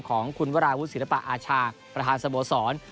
ของคุณวลายพุทธศิรพาอาชาประธานสะโบสอน